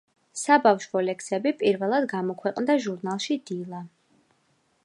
საბავშვო ლექსები პირველად გამოქვეყნდა ჟურნალში „დილა“.